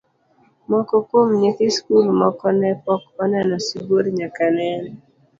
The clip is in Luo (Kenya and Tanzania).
Moko kuom nyithi skul moko ne pok oneno sibuor nyaka nene.